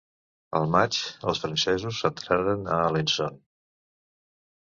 El maig, els francesos entraren a Alençon.